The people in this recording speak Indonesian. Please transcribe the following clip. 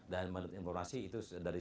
dan menurut informasi itu dari